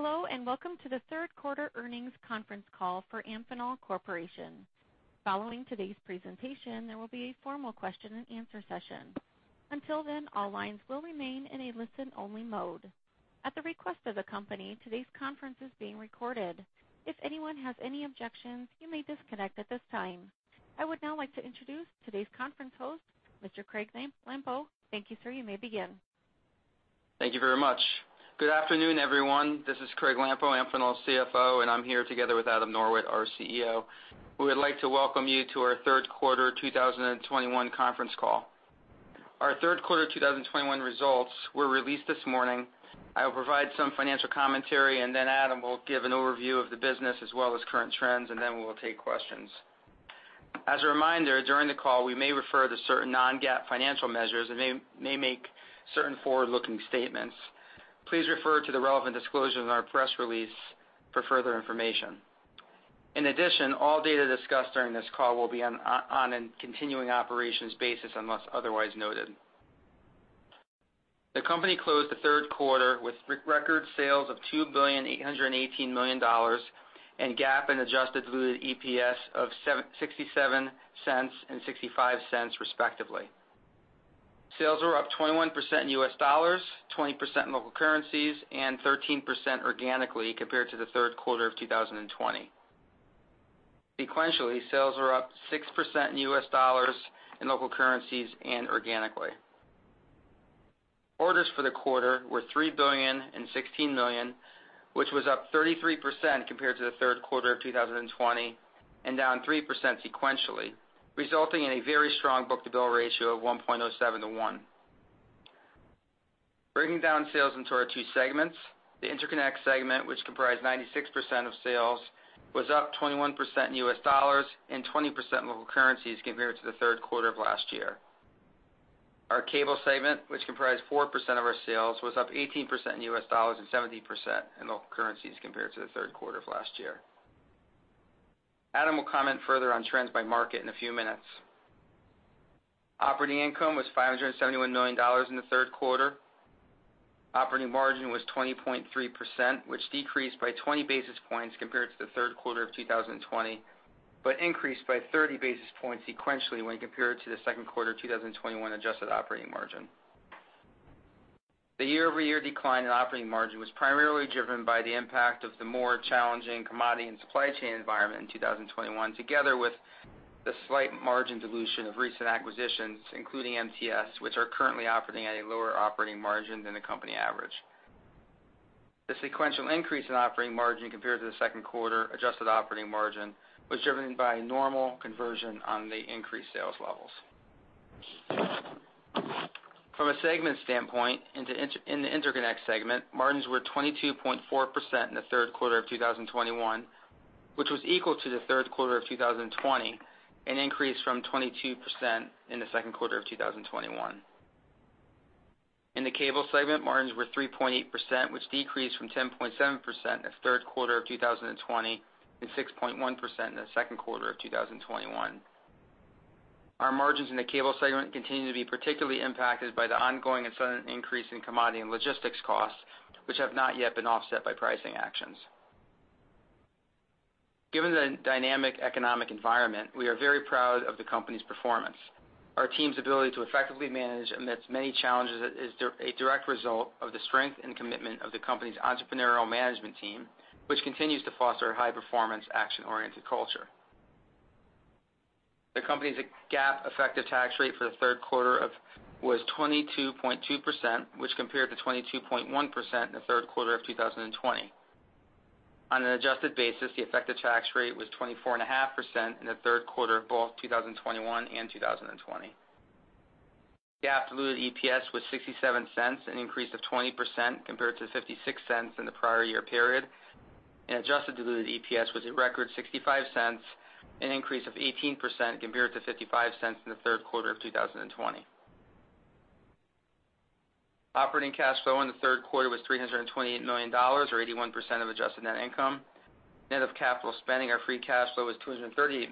Hello, and welcome to the third quarter earnings conference call for Amphenol Corporation. Following today's presentation, there will be a formal question-and-answer session. Until then, all lines will remain in a listen-only mode. At the request of the company, today's conference is being recorded. If anyone has any objections, you may disconnect at this time. I would now like to introduce today's conference host, Mr. Craig Lampo. Thank you, sir. You may begin. Thank you very much. Good afternoon, everyone. This is Craig Lampo, Amphenol's CFO, and I'm here together with Adam Norwitt, our CEO. We would like to welcome you to our third quarter 2021 conference call. Our third quarter 2021 results were released this morning. I will provide some financial commentary, and then Adam will give an overview of the business as well as current trends, and then we will take questions. As a reminder, during the call, we may refer to certain non-GAAP financial measures and may make certain forward-looking statements. Please refer to the relevant disclosure in our press release for further information. In addition, all data discussed during this call will be on a continuing operations basis unless otherwise noted. The company closed the third quarter with record sales of $2.818 billion and GAAP and adjusted diluted EPS of $0.67 and $0.65, respectively. Sales were up 21% in U.S. dollars, 20% in local currencies, and 13% organically compared to the third quarter of 2020. Sequentially, sales were up 6% in U.S. dollars, in local currencies, and organically. Orders for the quarter were $3.016 billion, which was up 33% compared to the third quarter of 2020, and down 3% sequentially, resulting in a very strong book-to-bill ratio of 1.07 to 1. Breaking down sales into our two segments, the interconnect segment, which comprised 96% of sales, was up 21% in U.S. dollars and 20% in local currencies compared to the third quarter of last year. Our cable segment, which comprised 4% of our sales, was up 18% in U.S. dollars and 17% in local currencies compared to the third quarter of last year. Adam will comment further on trends by market in a few minutes. Operating income was $571 million in the third quarter. Operating margin was 20.3%, which decreased by 20 basis points compared to the third quarter of 2020, but increased by 30 basis points sequentially when compared to the second quarter of 2021 adjusted operating margin. The year-over-year decline in operating margin was primarily driven by the impact of the more challenging commodity and supply chain environment in 2021, together with the slight margin dilution of recent acquisitions, including MTS, which are currently operating at a lower operating margin than the company average. The sequential increase in operating margin compared to the second quarter adjusted operating margin was driven by normal conversion on the increased sales levels. From a segment standpoint, in the interconnect segment, margins were 22.4% in the third quarter of 2021, which was equal to the third quarter of 2020, an increase from 22% in the second quarter of 2021. In the cable segment, margins were 3.8%, which decreased from 10.7% in the third quarter of 2020 and 6.1% in the second quarter of 2021. Our margins in the cable segment continue to be particularly impacted by the ongoing and sudden increase in commodity and logistics costs, which have not yet been offset by pricing actions. Given the dynamic economic environment, we are very proud of the company's performance. Our team's ability to effectively manage amidst many challenges is a direct result of the strength and commitment of the company's entrepreneurial management team, which continues to foster a high-performance, action-oriented culture. The company's GAAP effective tax rate for the third quarter of 2021 was 22.2%, which compared to 22.1% in the third quarter of 2020. On an adjusted basis, the effective tax rate was 24.5% in the third quarter of both 2021 and 2020. GAAP diluted EPS was $0.67, an increase of 20% compared to $0.56 in the prior year period, and adjusted diluted EPS was a record $0.65, an increase of 18% compared to $0.55 in the third quarter of 2020. Operating cash flow in the third quarter was $328 million or 81% of adjusted net income. Net of capital spending, our free cash flow was $238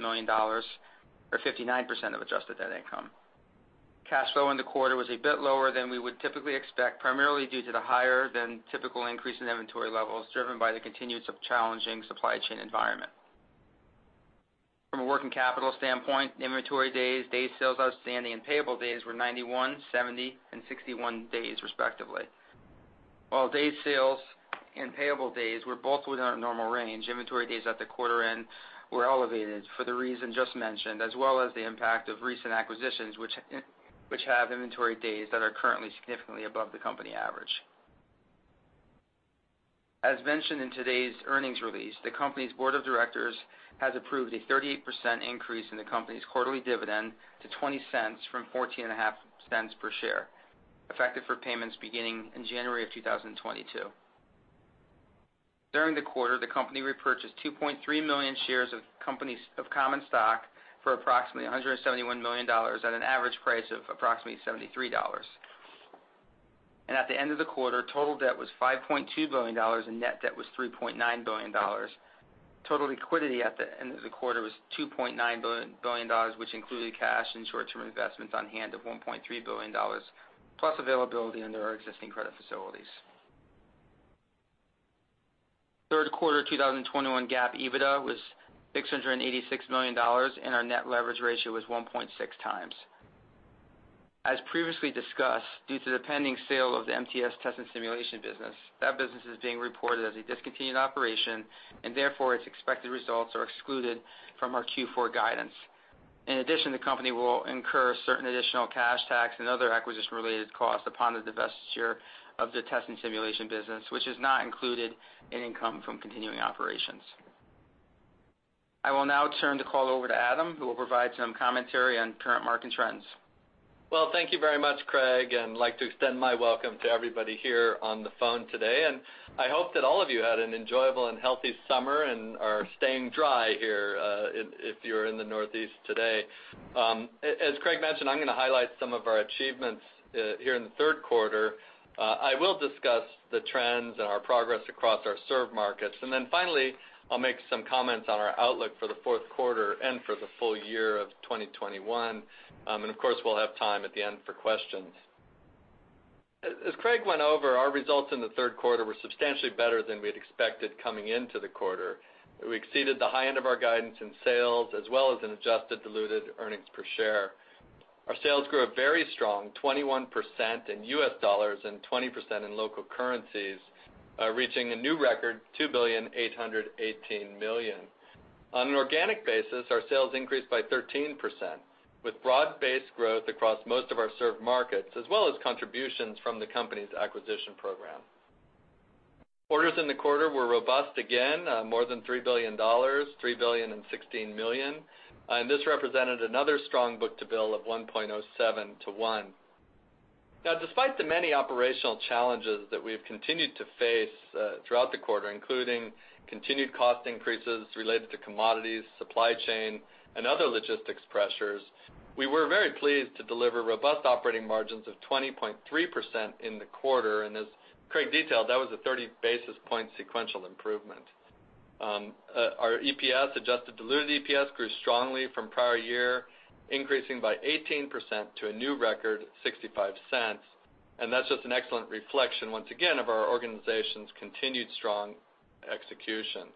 million or 59% of adjusted net income. Cash flow in the quarter was a bit lower than we would typically expect, primarily due to the higher than typical increase in inventory levels driven by the continued challenging supply chain environment. From a working capital standpoint, inventory days sales outstanding, and payable days were 91, 70, and 61 days, respectively. While days sales and payable days were both within our normal range, inventory days at the quarter end were elevated for the reason just mentioned, as well as the impact of recent acquisitions which have inventory days that are currently significantly above the company average. As mentioned in today's earnings release, the company's board of directors has approved a 38% increase in the company's quarterly dividend to $0.20 from $0.145 per share, effective for payments beginning in January 2022. During the quarter, the company repurchased 2.3 million shares of common stock for approximately $171 million at an average price of approximately $73. At the end of the quarter, total debt was $5.2 billion, and net debt was $3.9 billion. Total liquidity at the end of the quarter was $2.9 billion, which included cash and short-term investments on hand of $1.3 billion, plus availability under our existing credit facilities. Third quarter 2021 GAAP EBITDA was $686 million, and our net leverage ratio was 1.6 times. As previously discussed, due to the pending sale of the MTS Test & Simulation business, that business is being reported as a discontinued operation, and therefore, its expected results are excluded from our Q4 guidance. In addition, the company will incur certain additional cash tax and other acquisition-related costs upon the divestiture of the Test & Simulation business, which is not included in income from continuing operations. I will now turn the call over to Adam, who will provide some commentary on current market trends. Well, thank you very much, Craig, and I'd like to extend my welcome to everybody here on the phone today. I hope that all of you had an enjoyable and healthy summer and are staying dry here, if you're in the Northeast today. As Craig mentioned, I'm gonna highlight some of our achievements here in the third quarter. I will discuss the trends and our progress across our served markets. Then finally, I'll make some comments on our outlook for the fourth quarter and for the full year of 2021. Of course, we'll have time at the end for questions. As Craig went over, our results in the third quarter were substantially better than we had expected coming into the quarter. We exceeded the high end of our guidance in sales, as well as in adjusted diluted earnings per share. Our sales grew a very strong 21% in U.S. dollars and 20% in local currencies, reaching a new record $2.818 billion. On an organic basis, our sales increased by 13%, with broad-based growth across most of our served markets, as well as contributions from the company's acquisition program. Orders in the quarter were robust again, more than $3 billion, $3.016 billion, and this represented another strong book-to-bill of 1.07 to 1. Now, despite the many operational challenges that we have continued to face throughout the quarter, including continued cost increases related to commodities, supply chain, and other logistics pressures, we were very pleased to deliver robust operating margins of 20.3% in the quarter. As Craig detailed, that was a 30 basis point sequential improvement. Our EPS, adjusted diluted EPS grew strongly from prior year, increasing by 18% to a new record $0.65, and that's just an excellent reflection, once again, of our organization's continued strong execution.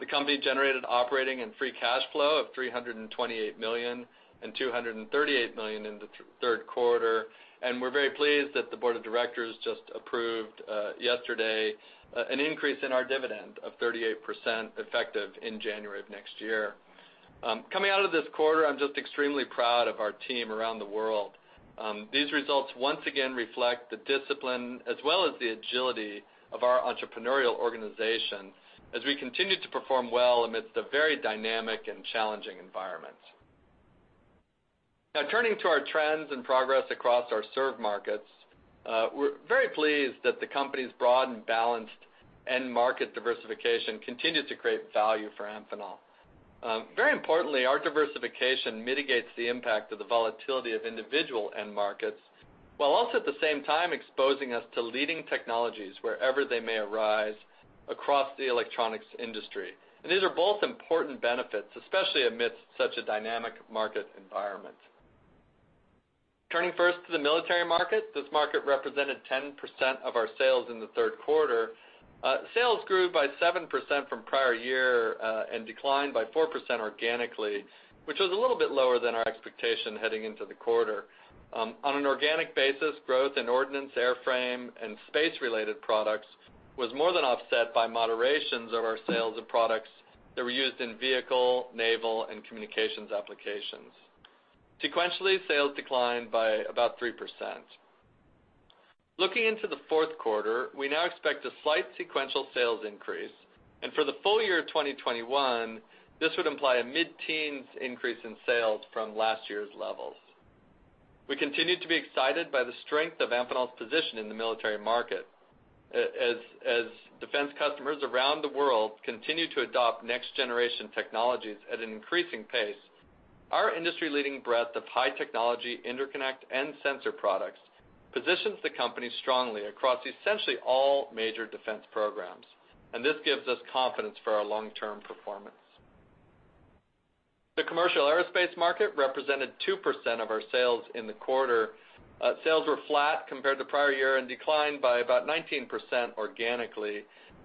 The company generated operating and free cash flow of $328 million and $238 million in the third quarter, and we're very pleased that the board of directors just approved yesterday an increase in our dividend of 38%, effective in January of next year. Coming out of this quarter, I'm just extremely proud of our team around the world. These results once again reflect the discipline as well as the agility of our entrepreneurial organization as we continue to perform well amidst a very dynamic and challenging environment. Now, turning to our trends and progress across our served markets, we're very pleased that the company's broad and balanced end market diversification continued to create value for Amphenol. Very importantly, our diversification mitigates the impact of the volatility of individual end markets, while also at the same time exposing us to leading technologies wherever they may arise across the electronics industry. These are both important benefits, especially amidst such a dynamic market environment. Turning first to the military market, this market represented 10% of our sales in the third quarter. Sales grew by 7% from prior year, and declined by 4% organically, which was a little bit lower than our expectation heading into the quarter. On an organic basis, growth in ordnance, airframe, and space-related products was more than offset by moderation in our sales of products that were used in vehicle, naval, and communications applications. Sequentially, sales declined by about 3%. Looking into the fourth quarter, we now expect a slight sequential sales increase, and for the full year of 2021, this would imply a mid-teens increase in sales from last year's levels. We continue to be excited by the strength of Amphenol's position in the military market. As defense customers around the world continue to adopt next-generation technologies at an increasing pace, our industry-leading breadth of high technology interconnect and sensor products positions the company strongly across essentially all major defense programs, and this gives us confidence for our long-term performance. The commercial aerospace market represented 2% of our sales in the quarter. Sales were flat compared to prior year and declined by about 19% organically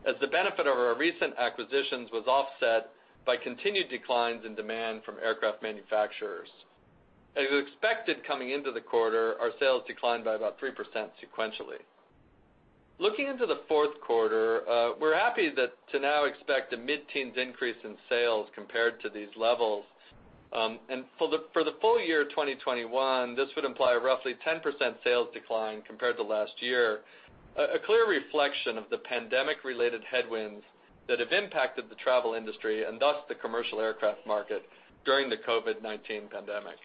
as the benefit of our recent acquisitions was offset by continued declines in demand from aircraft manufacturers. As expected coming into the quarter, our sales declined by about 3% sequentially. Looking into the fourth quarter, we're happy to now expect a mid-teens increase in sales compared to these levels. For the full year 2021, this would imply a roughly 10% sales decline compared to last year, a clear reflection of the pandemic-related headwinds that have impacted the travel industry and thus the commercial aircraft market during the COVID-19 pandemic.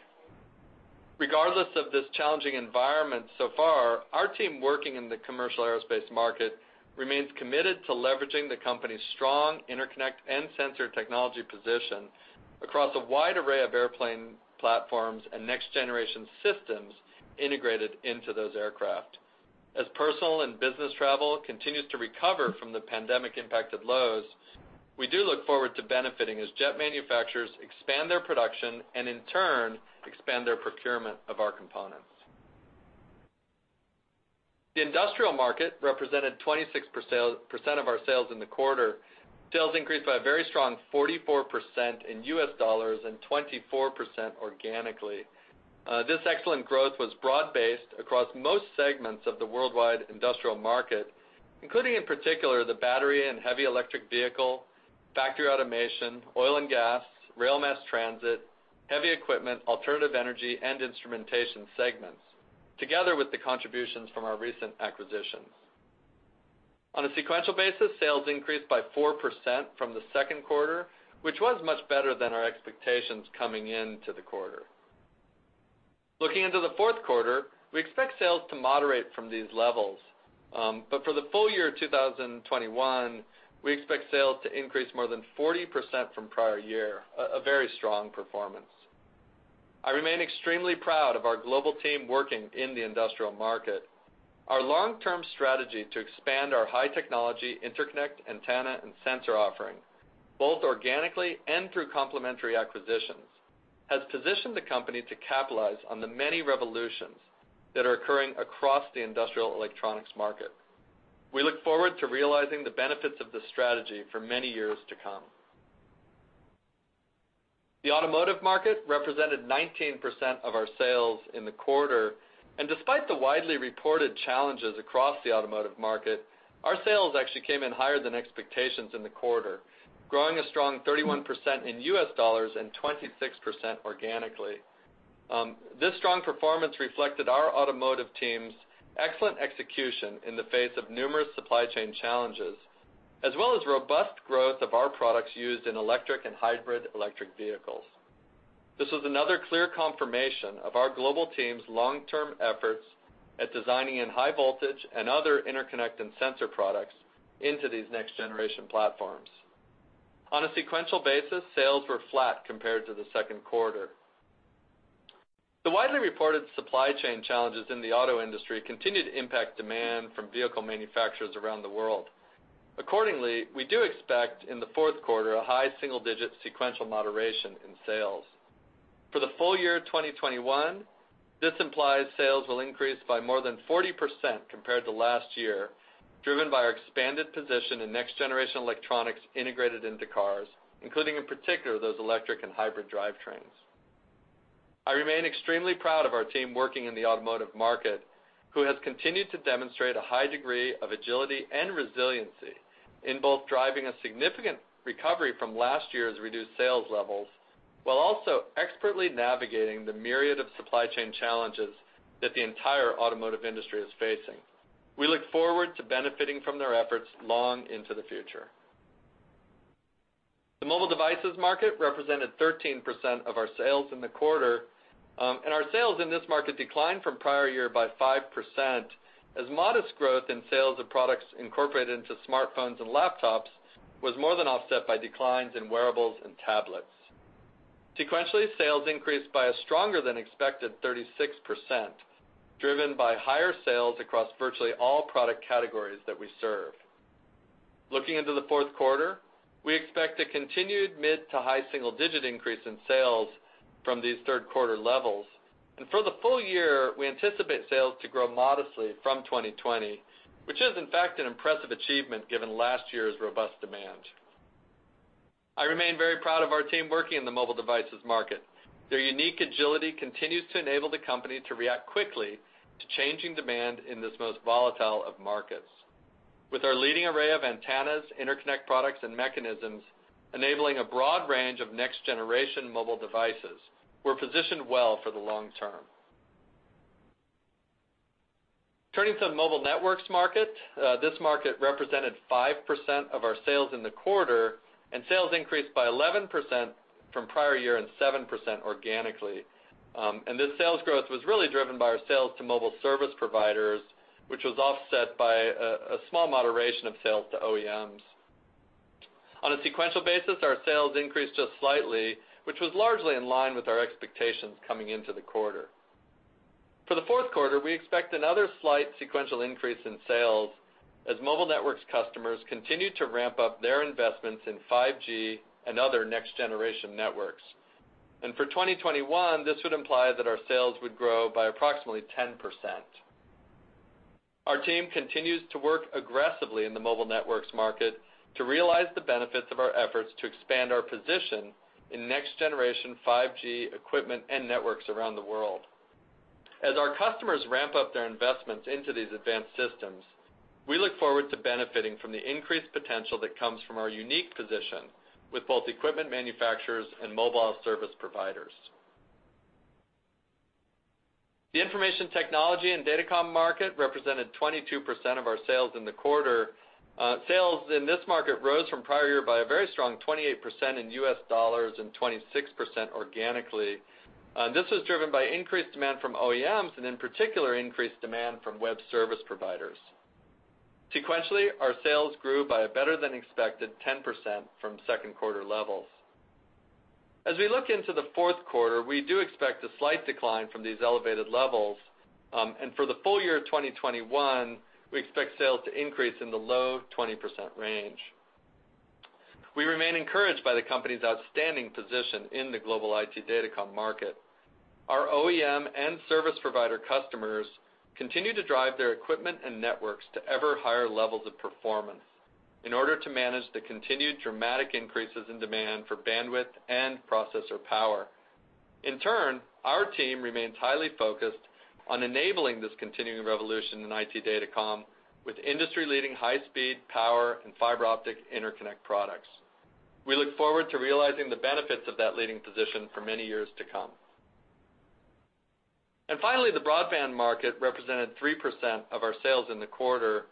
Regardless of this challenging environment so far, our team working in the commercial aerospace market remains committed to leveraging the company's strong interconnect and sensor technology position across a wide array of airplane platforms and next-generation systems integrated into those aircraft. As personal and business travel continues to recover from the pandemic impacted lows, we do look forward to benefiting as jet manufacturers expand their production and in turn expand their procurement of our components. The industrial market represented 26% of our sales in the quarter. Sales increased by a very strong 44% in US dollars and 24% organically. This excellent growth was broad-based across most segments of the worldwide industrial market, including in particular the battery and heavy electric vehicle, factory automation, oil and gas, rail mass transit, heavy equipment, alternative energy and instrumentation segments, together with the contributions from our recent acquisitions. On a sequential basis, sales increased by 4% from the second quarter, which was much better than our expectations coming into the quarter. Looking into the fourth quarter, we expect sales to moderate from these levels. For the full year 2021, we expect sales to increase more than 40% from prior year, a very strong performance. I remain extremely proud of our global team working in the industrial market. Our long-term strategy to expand our high technology interconnect, antenna, and sensor offering, both organically and through complementary acquisitions, has positioned the company to capitalize on the many revolutions that are occurring across the industrial electronics market. We look forward to realizing the benefits of this strategy for many years to come. The automotive market represented 19% of our sales in the quarter. Despite the widely reported challenges across the automotive market, our sales actually came in higher than expectations in the quarter, growing a strong 31% in U.S. dollars and 26% organically. This strong performance reflected our automotive team's excellent execution in the face of numerous supply chain challenges, as well as robust growth of our products used in electric and hybrid electric vehicles. This was another clear confirmation of our global team's long-term efforts at designing in high voltage and other interconnect and sensor products into these next generation platforms. On a sequential basis, sales were flat compared to the second quarter. The widely reported supply chain challenges in the auto industry continued to impact demand from vehicle manufacturers around the world. Accordingly, we do expect in the fourth quarter a high single-digit sequential moderation in sales. For the full year 2021, this implies sales will increase by more than 40% compared to last year, driven by our expanded position in next-generation electronics integrated into cars, including in particular, those electric and hybrid drivetrains. I remain extremely proud of our team working in the automotive market, who has continued to demonstrate a high degree of agility and resiliency in both driving a significant recovery from last year's reduced sales levels while also expertly navigating the myriad of supply chain challenges that the entire automotive industry is facing. We look forward to benefiting from their efforts long into the future. The mobile devices market represented 13% of our sales in the quarter. Our sales in this market declined from prior year by 5% as modest growth in sales of products incorporated into smartphones and laptops was more than offset by declines in wearables and tablets. Sequentially, sales increased by a stronger than expected 36%, driven by higher sales across virtually all product categories that we serve. Looking into the fourth quarter, we expect a continued mid- to high-single-digit increase in sales from these third quarter levels. For the full year, we anticipate sales to grow modestly from 2020, which is in fact an impressive achievement given last year's robust demand. I remain very proud of our team working in the mobile devices market. Their unique agility continues to enable the company to react quickly to changing demand in this most volatile of markets. With our leading array of antennas, interconnect products and mechanisms enabling a broad range of next generation mobile devices, we're positioned well for the long term. Turning to the mobile networks market, this market represented 5% of our sales in the quarter, and sales increased by 11% from prior year and 7% organically. This sales growth was really driven by our sales to mobile service providers, which was offset by a small moderation of sales to OEMs. On a sequential basis, our sales increased just slightly, which was largely in line with our expectations coming into the quarter. For the fourth quarter, we expect another slight sequential increase in sales as mobile networks customers continue to ramp up their investments in 5G and other next-generation networks. For 2021, this would imply that our sales would grow by approximately 10%. Our team continues to work aggressively in the mobile networks market to realize the benefits of our efforts to expand our position in next generation 5G equipment and networks around the world. As our customers ramp up their investments into these advanced systems, we look forward to benefiting from the increased potential that comes from our unique position with both equipment manufacturers and mobile service providers. The information technology and datacom market represented 22% of our sales in the quarter. Sales in this market rose from prior year by a very strong 28% in US dollars and 26% organically. This was driven by increased demand from OEMs and in particular, increased demand from web service providers. Sequentially, our sales grew by a better than expected 10% from second quarter levels. As we look into the fourth quarter, we do expect a slight decline from these elevated levels. For the full year of 2021, we expect sales to increase in the low 20% range. We remain encouraged by the company's outstanding position in the global IT data comm market. Our OEM and service provider customers continue to drive their equipment and networks to ever higher levels of performance in order to manage the continued dramatic increases in demand for bandwidth and processor power. In turn, our team remains highly focused on enabling this continuing revolution in IT data comm with industry-leading high speed, power, and fiber optic interconnect products. We look forward to realizing the benefits of that leading position for many years to come. Finally, the broadband market represented 3% of our sales in the quarter.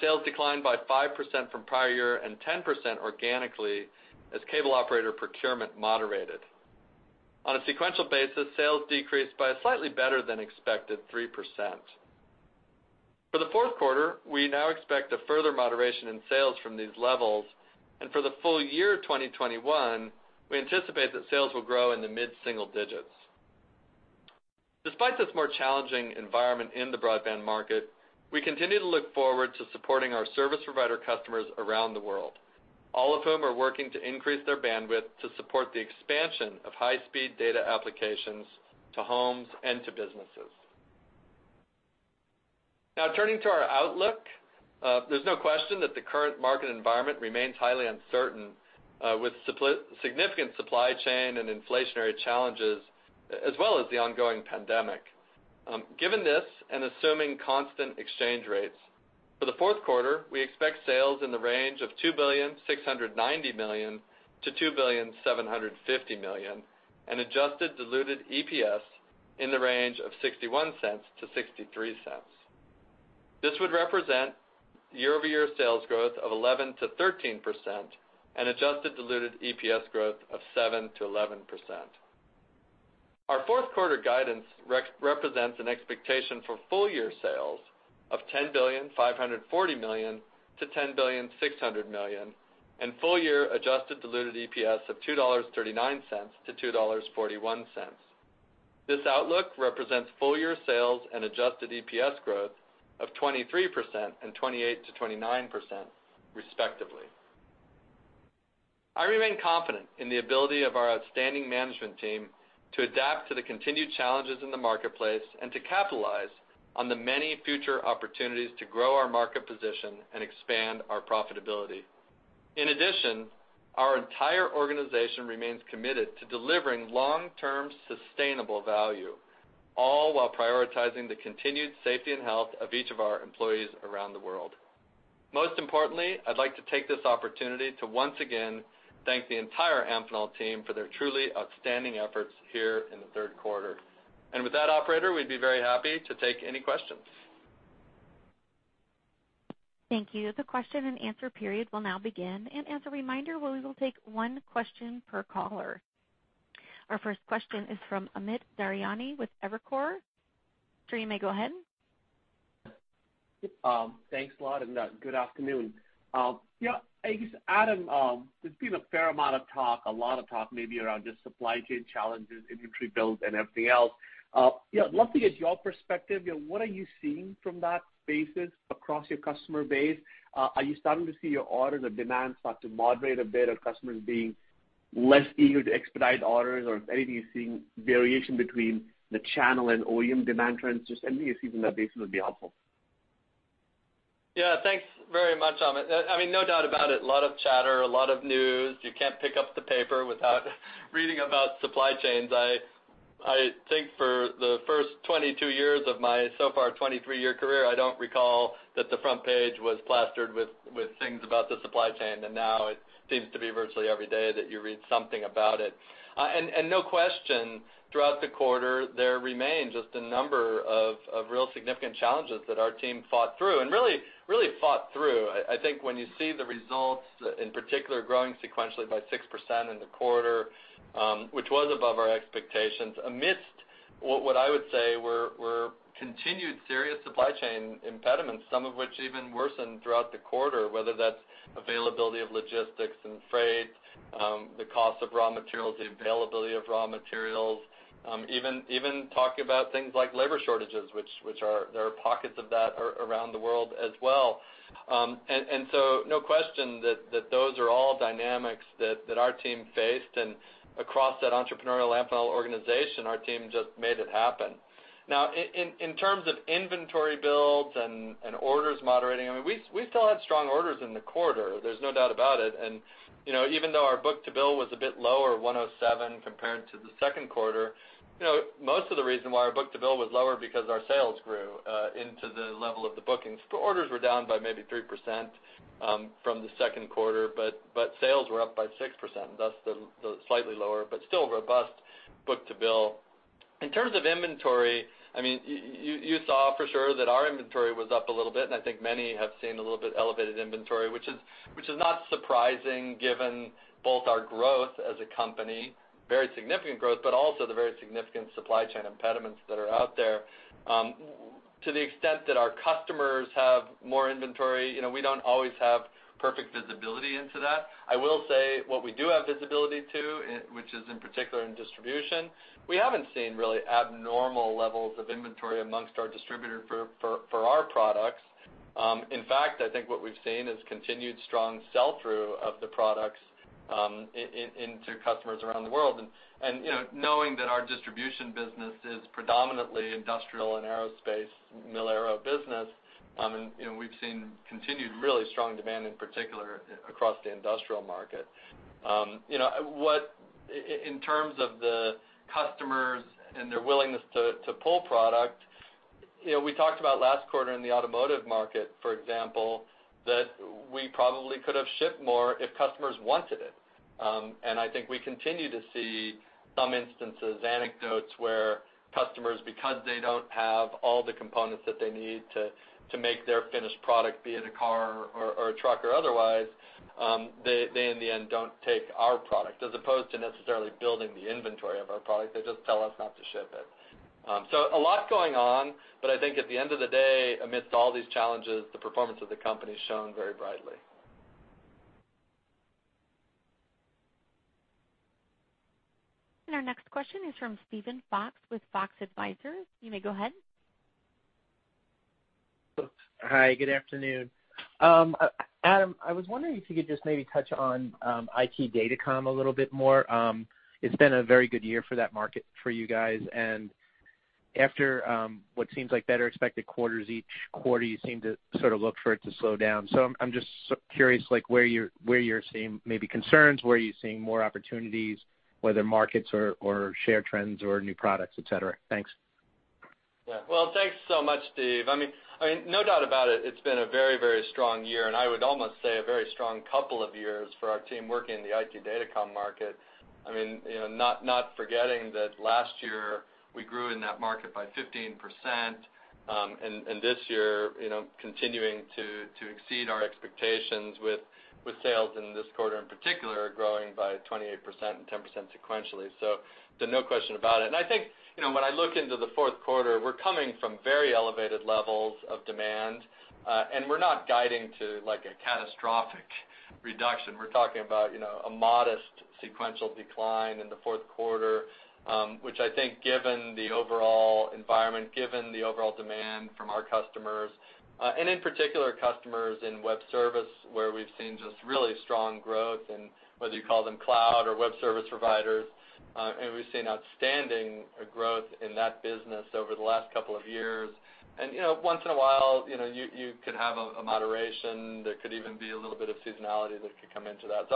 Sales declined by 5% from prior year and 10% organically as cable operator procurement moderated. On a sequential basis, sales decreased by a slightly better than expected 3%. For the fourth quarter, we now expect a further moderation in sales from these levels, and for the full year of 2021, we anticipate that sales will grow in the mid-single digits. Despite this more challenging environment in the broadband market, we continue to look forward to supporting our service provider customers around the world, all of whom are working to increase their bandwidth to support the expansion of high-speed data applications to homes and to businesses. Now turning to our outlook, there's no question that the current market environment remains highly uncertain, with significant supply chain and inflationary challenges as well as the ongoing pandemic. Given this and assuming constant exchange rates, for the fourth quarter, we expect sales in the range of $2.69 billion-$2.75 billion and adjusted diluted EPS in the range of $0.61-$0.63. This would represent year-over-year sales growth of 11%-13% and adjusted diluted EPS growth of 7%-11%. Our fourth quarter guidance represents an expectation for full year sales of $10.54 billion-$10.6 billion and full year adjusted diluted EPS of $2.39-$2.41. This outlook represents full year sales and adjusted EPS growth of 23% and 28%-29%, respectively. I remain confident in the ability of our outstanding management team to adapt to the continued challenges in the marketplace and to capitalize on the many future opportunities to grow our market position and expand our profitability. In addition, our entire organization remains committed to delivering long-term sustainable value, all while prioritizing the continued safety and health of each of our employees around the world. Most importantly, I'd like to take this opportunity to once again thank the entire Amphenol team for their truly outstanding efforts here in the third quarter. With that, operator, we'd be very happy to take any questions. Thank you. The question and answer period will now begin. As a reminder, we will take one question per caller. Our first question is from Amit Daryanani with Evercore ISI. Sir, you may go ahead. Thanks a lot, and good afternoon. Yeah, I guess, Adam, there's been a fair amount of talk, a lot of talk maybe around just supply chain challenges, inventory builds, and everything else. You know, love to get your perspective. You know, what are you seeing from that basis across your customer base? Are you starting to see your orders or demand start to moderate a bit or customers being less eager to expedite orders? Or if anything, are you seeing variation between the channel and OEM demand trends? Just anything you're seeing in that space would be helpful. Yeah. Thanks very much, Amit. I mean, no doubt about it, a lot of chatter, a lot of news. You can't pick up the paper without reading about supply chains. I think for the first 22 years of my so far 23-year career, I don't recall that the front page was plastered with things about the supply chain, and now it seems to be virtually every day that you read something about it. No question, throughout the quarter, there remains just a number of real significant challenges that our team fought through, and really fought through. I think when you see the results, in particular growing sequentially by 6% in the quarter, which was above our expectations, amidst what I would say were continued serious supply chain impediments, some of which even worsened throughout the quarter, whether that's availability of logistics and freight, the cost of raw materials, the availability of raw materials, even talk about things like labor shortages, which are, there are pockets of that around the world as well. No question that those are all dynamics that our team faced, and across that entrepreneurial Amphenol organization, our team just made it happen. Now, in terms of inventory builds and orders moderating, I mean, we still had strong orders in the quarter. There's no doubt about it. You know, even though our book-to-bill was a bit lower, 1.07 compared to the second quarter, you know, most of the reason why our book-to-bill was lower because our sales grew into the level of the bookings. Orders were down by maybe 3% from the second quarter, but sales were up by 6%, thus the slightly lower but still robust book-to-bill. In terms of inventory, I mean, you saw for sure that our inventory was up a little bit, and I think many have seen a little bit elevated inventory, which is not surprising given both our growth as a company, very significant growth, but also the very significant supply chain impediments that are out there. To the extent that our customers have more inventory, you know, we don't always have perfect visibility into that. I will say what we do have visibility to, which is in particular in distribution, we haven't seen really abnormal levels of inventory amongst our distributor for our products. In fact, I think what we've seen is continued strong sell-through of the products, into customers around the world. You know, knowing that our distribution business is predominantly industrial and aerospace, mil-aero business, and you know, we've seen continued really strong demand, in particular across the industrial market. You know, in terms of the customers and their willingness to pull product, you know, we talked about last quarter in the automotive market, for example, that we probably could have shipped more if customers wanted it. I think we continue to see some instances, anecdotes where customers, because they don't have all the components that they need to make their finished product, be it a car or a truck or otherwise, they in the end don't take our product as opposed to necessarily building the inventory of our product. They just tell us not to ship it. A lot going on, but I think at the end of the day, amidst all these challenges, the performance of the company is shown very brightly. Our next question is from Steven Fox with Fox Advisors. You may go ahead. Hi, good afternoon. Adam, I was wondering if you could just maybe touch on IT Datacom a little bit more. It's been a very good year for that market for you guys. After what seems like better expected quarters each quarter, you seem to sort of look for it to slow down. I'm just so curious, like where you're seeing maybe concerns, where are you seeing more opportunities, whether markets or share trends or new products, et cetera. Thanks. Yeah. Well, thanks so much, Steve. I mean, no doubt about it's been a very, very strong year, and I would almost say a very strong couple of years for our team working in the IT Datacom market. I mean, you know, not forgetting that last year we grew in that market by 15%, and this year, you know, continuing to exceed our expectations with sales in this quarter in particular growing by 28% and 10% sequentially. So no question about it. I think, you know, when I look into the fourth quarter, we're coming from very elevated levels of demand, and we're not guiding to like a catastrophic reduction. We're talking about, you know, a modest sequential decline in the fourth quarter, which I think given the overall environment, given the overall demand from our customers, and in particular customers in web service, where we've seen just really strong growth and whether you call them cloud or web service providers, and we've seen outstanding growth in that business over the last couple of years. You know, once in a while, you know, you could have a moderation. There could even be a little bit of seasonality that could come into that.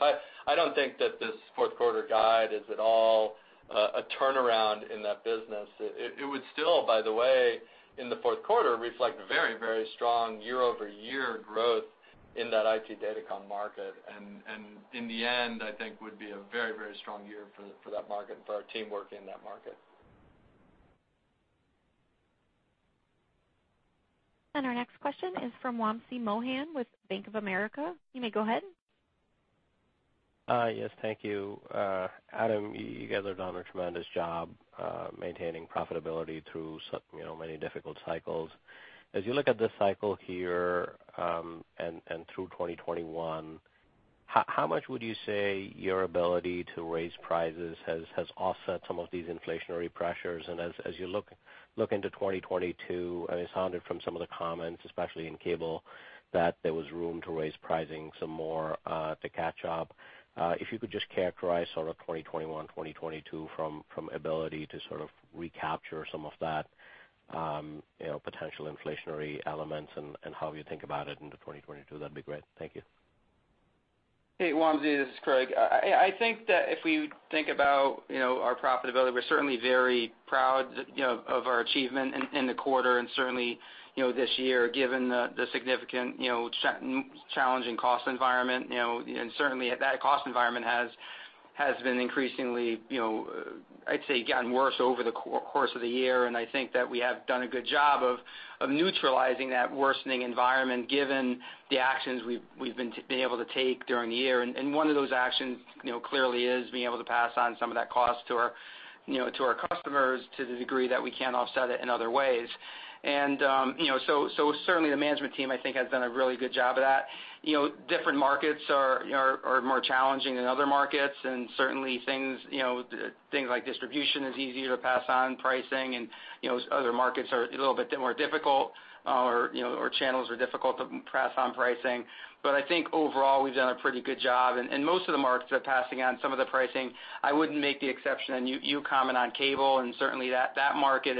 I don't think that this fourth quarter guide is at all a turnaround in that business. It would still, by the way, in the fourth quarter, reflect very, very strong year-over-year growth in that IT Datacom market, and in the end, I think it would be a very, very strong year for that market and for our team working in that market. Our next question is from Wamsi Mohan with Bank of America. You may go ahead. Yes, thank you. Adam, you guys have done a tremendous job maintaining profitability through you know, many difficult cycles. As you look at this cycle here, through 2021, how much would you say your ability to raise prices has offset some of these inflationary pressures? As you look into 2022, I mean, it sounded from some of the comments, especially in cable, that there was room to raise pricing some more to catch up. If you could just characterize sort of 2021, 2022 from ability to sort of recapture some of that you know, potential inflationary elements and how you think about it into 2022, that'd be great. Thank you. Hey, Wamsi, this is Craig. I think that if we think about, you know, our profitability, we're certainly very proud, you know, of our achievement in the quarter and certainly, you know, this year, given the significant, you know, challenging cost environment, you know, and certainly that cost environment has been increasingly, you know, I'd say gotten worse over the course of the year, and I think that we have done a good job of neutralizing that worsening environment given the actions we've been able to take during the year. One of those actions, you know, clearly is being able to pass on some of that cost to our, you know, to our customers to the degree that we can't offset it in other ways. You know, certainly the management team, I think, has done a really good job of that. You know, different markets are more challenging than other markets, and certainly things like distribution is easier to pass on pricing and, you know, other markets are a little bit more difficult or channels are difficult to pass on pricing. I think overall we've done a pretty good job. Most of the markets are passing on some of the pricing. I wouldn't make the exception, and you comment on cable, and certainly that market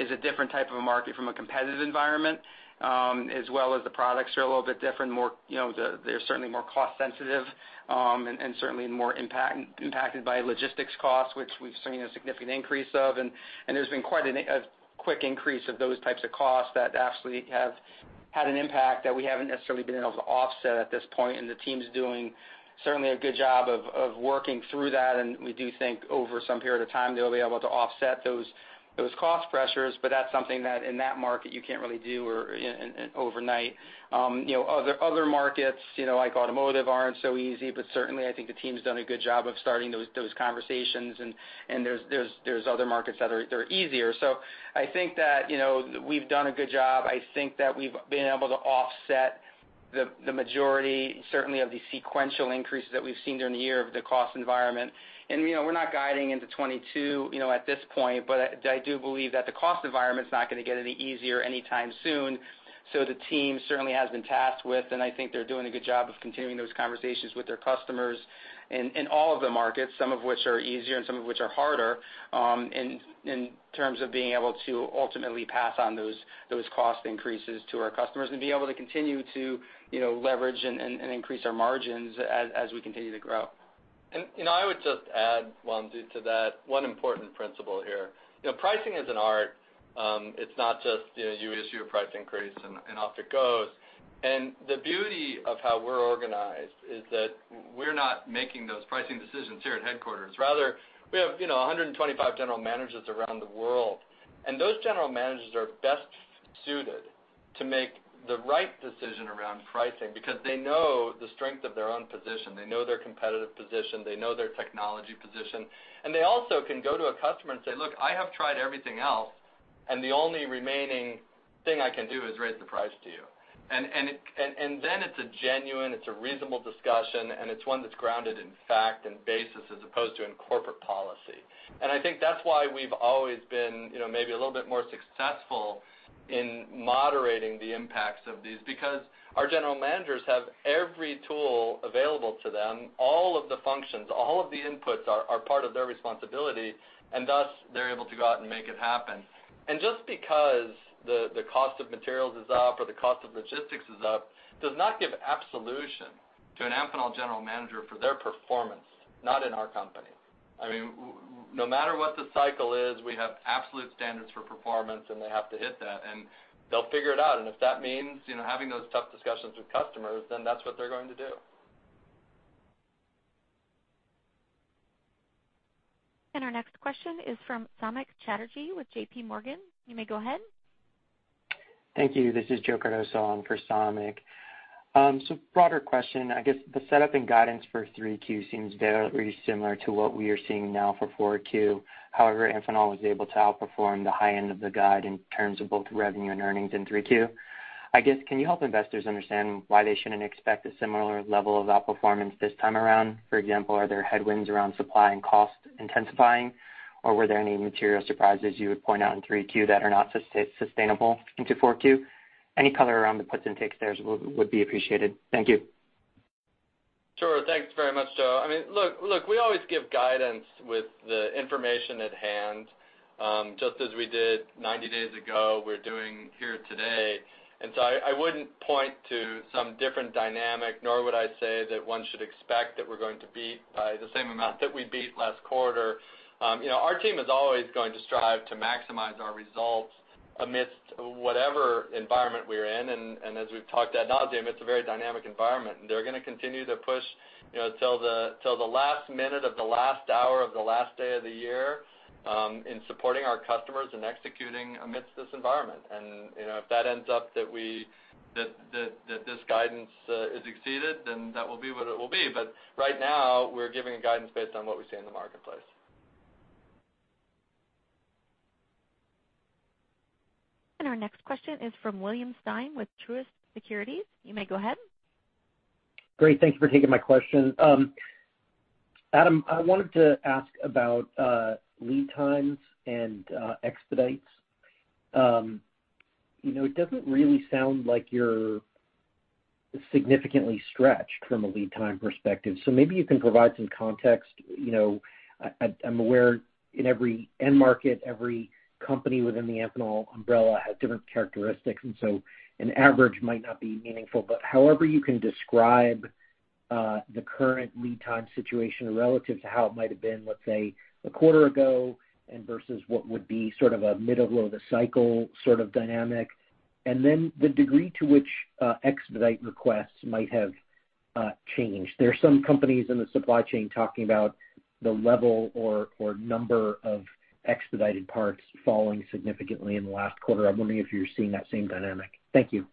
is a different type of a market from a competitive environment, as well as the products are a little bit different, more, you know, they're certainly more cost sensitive, and certainly more impacted by logistics costs, which we've seen a significant increase of. There's been a quick increase of those types of costs that actually have had an impact that we haven't necessarily been able to offset at this point. The team's doing certainly a good job of working through that. We do think over some period of time, they'll be able to offset those cost pressures. That's something that in that market you can't really do overnight. You know, other markets, you know, like automotive aren't so easy, but certainly I think the team's done a good job of starting those conversations. There's other markets that are, they're easier. I think that, you know, we've done a good job. I think that we've been able to offset The majority certainly of the sequential increases that we've seen during the year in the cost environment. You know, we're not guiding into 2022, you know, at this point, but I do believe that the cost environment's not gonna get any easier anytime soon. The team certainly has been tasked with, and I think they're doing a good job of continuing those conversations with their customers in all of the markets, some of which are easier and some of which are harder, in terms of being able to ultimately pass on those cost increases to our customers and be able to continue to, you know, leverage and increase our margins as we continue to grow. You know, I would just add, Wamsi, to that one important principle here. You know, pricing is an art. It's not just, you know, you issue a price increase and off it goes. The beauty of how we're organized is that we're not making those pricing decisions here at headquarters. Rather, we have, you know, 125 general managers around the world, and those general managers are best suited to make the right decision around pricing because they know the strength of their own position, they know their competitive position, they know their technology position, and they also can go to a customer and say, "Look, I have tried everything else, and the only remaining thing I can do is raise the price to you." Then it's a genuine, it's a reasonable discussion, and it's one that's grounded in fact and basis as opposed to in corporate policy. I think that's why we've always been, you know, maybe a little bit more successful in moderating the impacts of these because our general managers have every tool available to them, all of the functions, all of the inputs are part of their responsibility, and thus, they're able to go out and make it happen. Just because the cost of materials is up or the cost of logistics is up, does not give absolution to an Amphenol general manager for their performance, not in our company. I mean, no matter what the cycle is, we have absolute standards for performance, and they have to hit that, and they'll figure it out. If that means, you know, having those tough discussions with customers, then that's what they're going to do. Our next question is from Samik Chatterjee with J.P. Morgan. You may go ahead. Thank you. This is Joe Cardoso on for Saumik. Broader question. I guess the setup and guidance for 3Q seems very similar to what we are seeing now for 4Q. However, Amphenol was able to outperform the high end of the guide in terms of both revenue and earnings in 3Q. I guess, can you help investors understand why they shouldn't expect a similar level of outperformance this time around? For example, are there headwinds around supply and cost intensifying, or were there any material surprises you would point out in 3Q that are not sustainable into 4Q? Any color around the puts and takes there would be appreciated. Thank you. Sure. Thanks very much, Joe. I mean, look, we always give guidance with the information at hand, just as we did 90 days ago, we're doing here today. I wouldn't point to some different dynamic, nor would I say that one should expect that we're going to beat by the same amount that we beat last quarter. You know, our team is always going to strive to maximize our results amidst whatever environment we're in, and as we've talked ad nauseam, it's a very dynamic environment. They're gonna continue to push, you know, till the last minute of the last hour of the last day of the year, in supporting our customers and executing amidst this environment. You know, if that ends up that this guidance is exceeded, then that will be what it will be. Right now, we're giving a guidance based on what we see in the marketplace. Our next question is from William Stein with Truist Securities. You may go ahead. Great. Thank you for taking my question. Adam, I wanted to ask about lead times and expedites. You know, it doesn't really sound like you're significantly stretched from a lead time perspective, so maybe you can provide some context. You know, I'm aware in every end market, every company within the Amphenol umbrella has different characteristics, and so an average might not be meaningful. But however you can describe the current lead time situation relative to how it might have been, let's say, a quarter ago and versus what would be sort of a middle of the cycle sort of dynamic, and then the degree to which expedite requests might have changed. There are some companies in the supply chain talking about the level or number of expedited parts falling significantly in the last quarter. I'm wondering if you're seeing that same dynamic. Thank you.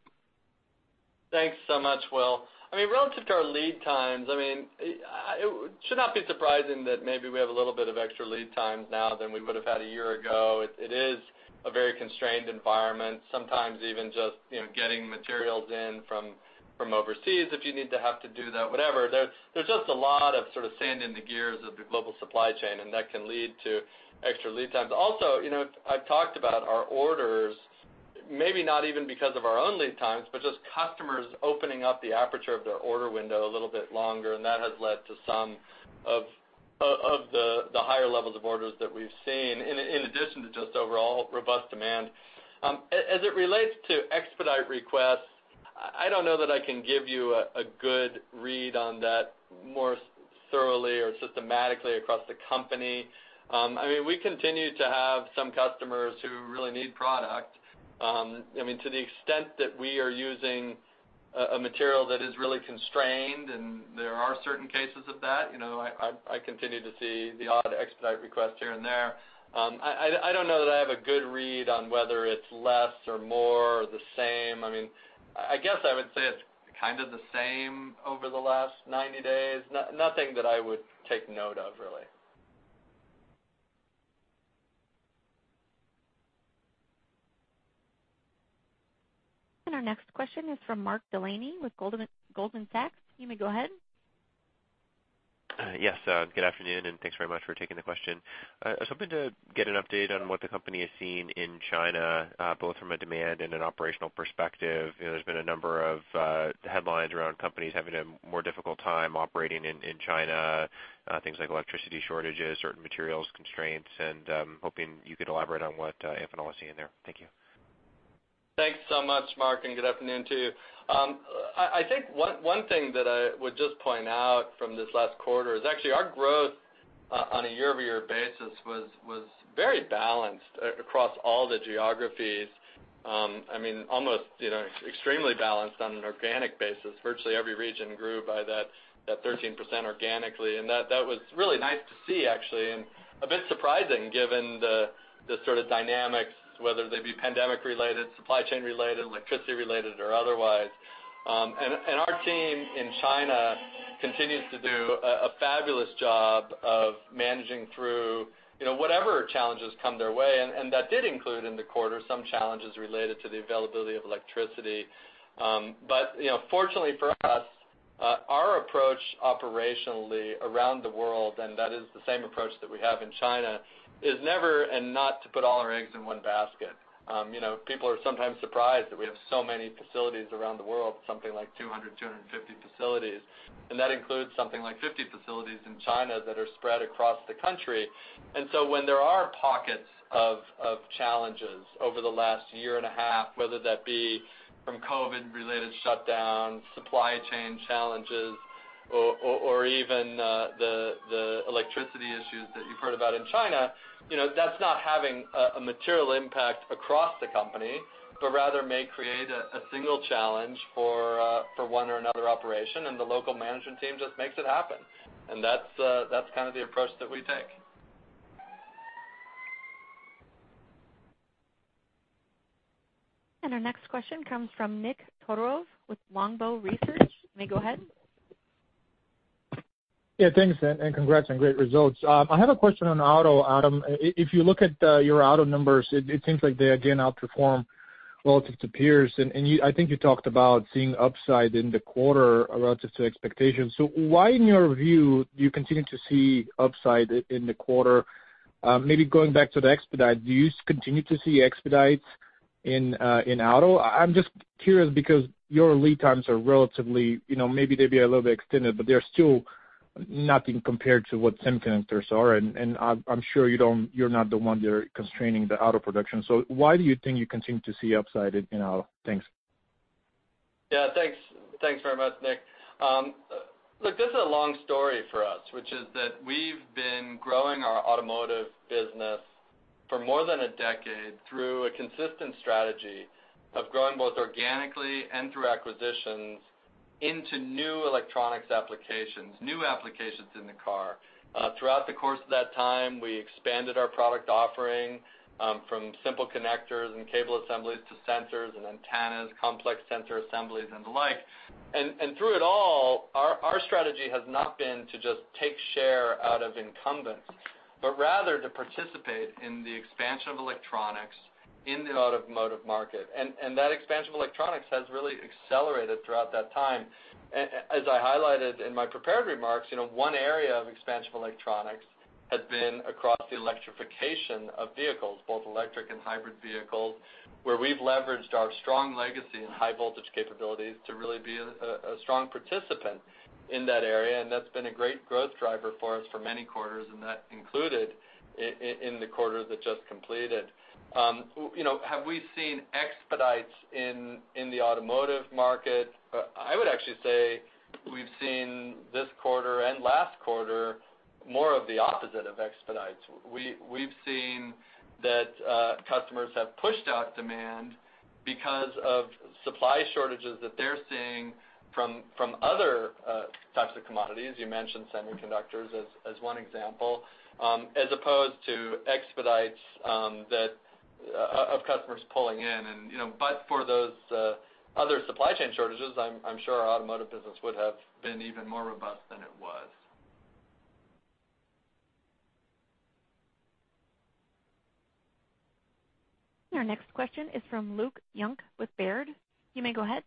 Thanks so much, Will. I mean, relative to our lead times, I mean, it should not be surprising that maybe we have a little bit of extra lead times now than we would have had a year ago. It is a very constrained environment, sometimes even just you know, getting materials in from overseas if you need to do that, whatever. There's just a lot of sort of sand in the gears of the global supply chain, and that can lead to extra lead times. Also, you know, I've talked about our orders, maybe not even because of our own lead times, but just customers opening up the aperture of their order window a little bit longer, and that has led to some of the higher levels of orders that we've seen in addition to just overall robust demand. As it relates to expedite requests, I don't know that I can give you a good read on that more thoroughly or systematically across the company. I mean, we continue to have some customers who really need product. I mean, to the extent that we are using a material that is really constrained, and there are certain cases of that, you know, I continue to see the odd expedite request here and there. I don't know that I have a good read on whether it's less or more or the same. I mean, I guess I would say it's kind of the same over the last 90 days. Nothing that I would take note of, really. Our next question is from Mark Delaney with Goldman Sachs. You may go ahead. Yes, good afternoon, and thanks very much for taking the question. I was hoping to get an update on what the company is seeing in China, both from a demand and an operational perspective. You know, there's been a number of headlines around companies having a more difficult time operating in China, things like electricity shortages, certain materials constraints, and I'm hoping you could elaborate on what Amphenol is seeing there. Thank you. Thanks so much, Mark, and good afternoon to you. I think one thing that I would just point out from this last quarter is actually our growth on a year-over-year basis was very balanced across all the geographies. I mean, almost, you know, extremely balanced on an organic basis. Virtually every region grew by that 13% organically, and that was really nice to see actually, and a bit surprising given the sort of dynamics, whether they be pandemic related, supply chain related, electricity related or otherwise. Our team in China continues to do a fabulous job of managing through, you know, whatever challenges come their way and that did include in the quarter some challenges related to the availability of electricity. You know, fortunately for us, our approach operationally around the world, and that is the same approach that we have in China, is never and not to put all our eggs in one basket. You know, people are sometimes surprised that we have so many facilities around the world, something like 200 to 250 facilities, and that includes something like 50 facilities in China that are spread across the country. When there are pockets of challenges over the last year and a half, whether that be from COVID related shutdowns, supply chain challenges or even the electricity issues that you've heard about in China, you know, that's not having a material impact across the company, but rather may create a single challenge for one or another operation and the local management team just makes it happen. That's kind of the approach that we take. Our next question comes from Nikolay Todorov with Longbow Research. You may go ahead. Yeah, thanks, and congrats on great results. I have a question on auto, Adam. If you look at your auto numbers, it seems like they again outperform relative to peers. I think you talked about seeing upside in the quarter relative to expectations. Why in your view do you continue to see upside in the quarter? Maybe going back to the expedite, do you continue to see expedites in auto? I'm just curious because your lead times are relatively, you know, maybe they'd be a little bit extended, but they're still nothing compared to what semiconductors are. I'm sure you don't—you're not the one that are constraining the auto production. Why do you think you continue to see upside in auto? Thanks. Yeah, thanks. Thanks very much, Nick. Look, this is a long story for us, which is that we've been growing our automotive business for more than a decade through a consistent strategy of growing both organically and through acquisitions into new electronics applications, new applications in the car. Throughout the course of that time, we expanded our product offering from simple connectors and cable assemblies to sensors and antennas, complex sensor assemblies and the like. Through it all, our strategy has not been to just take share out of incumbents, but rather to participate in the expansion of electronics in the automotive market. That expansion of electronics has really accelerated throughout that time. As I highlighted in my prepared remarks, you know, one area of expansion of electronics has been across the electrification of vehicles, both electric and hybrid vehicles, where we've leveraged our strong legacy and high voltage capabilities to really be a strong participant in that area. That's been a great growth driver for us for many quarters, and that included in the quarter that just completed. You know, have we seen expedites in the automotive market? I would actually say we've seen this quarter and last quarter more of the opposite of expedites. We've seen that customers have pushed out demand because of supply shortages that they're seeing from other types of commodities. You mentioned semiconductors as one example, as opposed to expedites that of customers pulling in and, you know. For those other supply chain shortages, I'm sure our automotive business would have been even more robust than it was. Our next question is from Luke Junk with Baird. You may go ahead.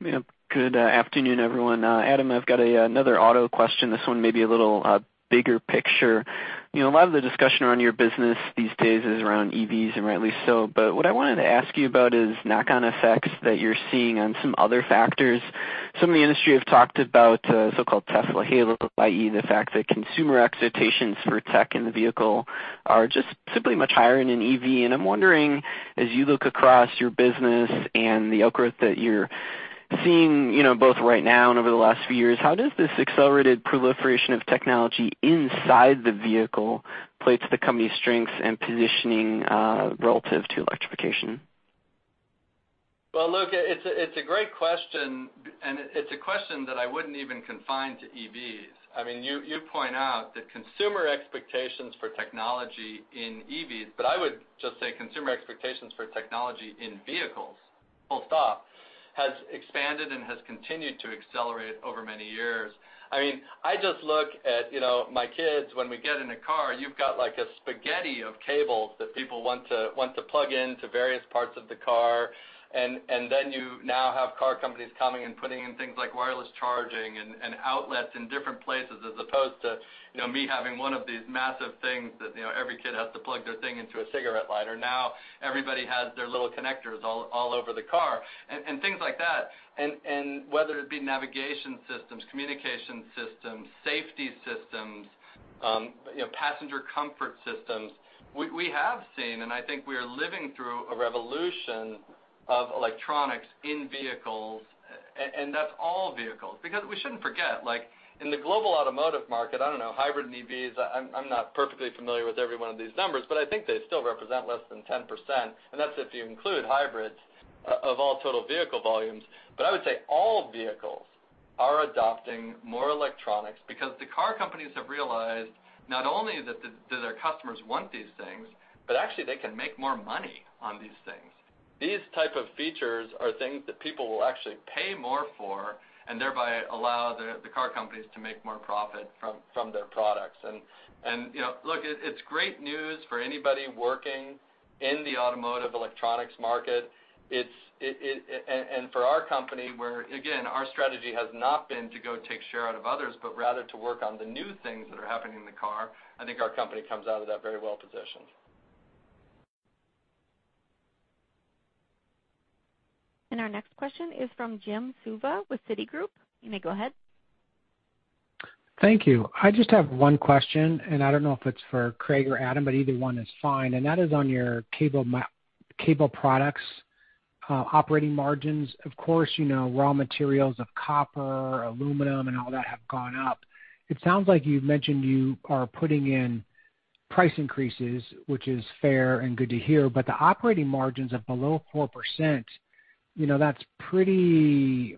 Ma'am. Good afternoon, everyone. Adam, I've got another auto question. This one may be a little bigger picture. You know, a lot of the discussion around your business these days is around EVs and rightly so, but what I wanted to ask you about is knock-on effects that you're seeing on some other factors. Some in the industry have talked about so-called Tesla halo, i.e., the fact that consumer expectations for tech in the vehicle are just simply much higher in an EV. I'm wondering, as you look across your business and the growth that you're seeing, you know, both right now and over the last few years, how does this accelerated proliferation of technology inside the vehicle play to the company's strengths and positioning relative to electrification? Well, Luke, it's a great question, and it's a question that I wouldn't even confine to EVs. I mean, you point out that consumer expectations for technology in EVs, but I would just say consumer expectations for technology in vehicles, full stop. Has expanded and has continued to accelerate over many years. I mean, I just look at, you know, my kids when we get in a car, you've got like a spaghetti of cables that people want to plug in to various parts of the car. You now have car companies coming and putting in things like wireless charging and outlets in different places as opposed to, you know, me having one of these massive things that, you know, every kid has to plug their thing into a cigarette lighter. Now everybody has their little connectors all over the car and things like that. Whether it be navigation systems, communication systems, safety systems, you know, passenger comfort systems, we have seen, and I think we are living through a revolution of electronics in vehicles, and that's all vehicles. We shouldn't forget, like in the global automotive market, I don't know, hybrid and EVs, I'm not perfectly familiar with every one of these numbers, but I think they still represent less than 10%, and that's if you include hybrids, of all total vehicle volumes. I would say all vehicles are adopting more electronics because the car companies have realized not only that do their customers want these things, but actually they can make more money on these things. These type of features are things that people will actually pay more for and thereby allow the car companies to make more profit from their products. You know, look, it's great news for anybody working in the automotive electronics market and for our company, where again, our strategy has not been to go take share out of others, but rather to work on the new things that are happening in the car. I think our company comes out of that very well positioned. Our next question is from Jim Suva with Citigroup. You may go ahead. Thank you. I just have one question, and I don't know if it's for Craig or Adam, but either one is fine, and that is on your cable products, operating margins. Of course, you know, raw materials of copper, aluminum and all that have gone up. It sounds like you've mentioned you are putting in price increases, which is fair and good to hear, but the operating margins of below 4%, you know, that's pretty,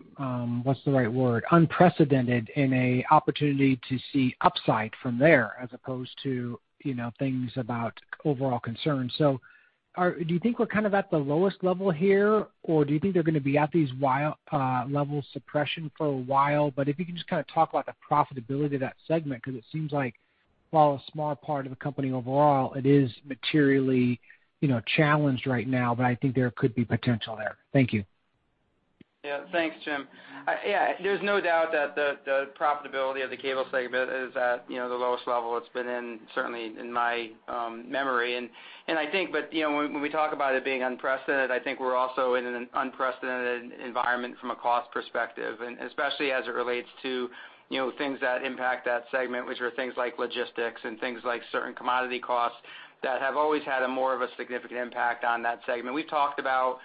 what's the right word? Unprecedented in a opportunity to see upside from there as opposed to, you know, things about overall concerns. Do you think we're kind of at the lowest level here, or do you think they're gonna be at these level suppression for a while? If you can just kind of talk about the profitability of that segment, 'cause it seems like while a small part of the company overall, it is materially, you know, challenged right now, but I think there could be potential there. Thank you. Yeah. Thanks, Jim. Yeah, there's no doubt that the profitability of the cable segment is at, you know, the lowest level it's been in, certainly in my memory. I think, but, you know, when we talk about it being unprecedented, I think we're also in an unprecedented environment from a cost perspective, and especially as it relates to, you know, things that impact that segment, which are things like logistics and things like certain commodity costs that have always had a more of a significant impact on that segment. We've talked about,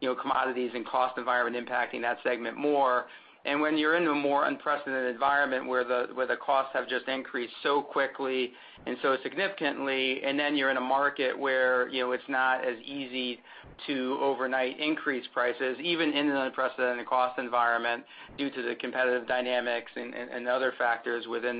you know, commodities and cost environment impacting that segment more. When you're in a more unprecedented environment where the costs have just increased so quickly and so significantly, and then you're in a market where, you know, it's not as easy to overnight increase prices, even in an unprecedented cost environment due to the competitive dynamics and other factors within